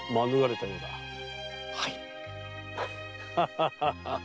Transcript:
はい。